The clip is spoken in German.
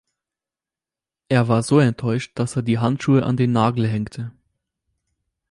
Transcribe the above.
Er war so enttäuscht, dass er die Handschuhe an den Nagel hängte.